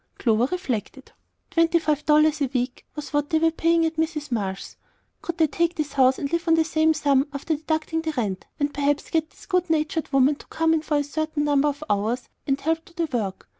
Clover reflected. Twenty five dollars a week was what they were paying at Mrs. Marsh's. Could they take this house and live on the same sum, after deducting the rent, and perhaps get this good natured looking woman to come in for a certain number of hours and help do the work?